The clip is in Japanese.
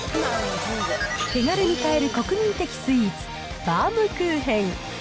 手軽に買える国民的スイーツ、バウムクーヘン。